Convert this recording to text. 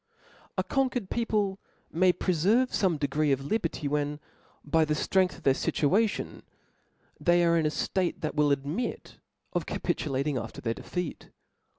A conquered people may preftrve fome degred of liberty, when by the ftrength of their fituation, they are in a ftate, that will admit of capitulat ing after their defeat.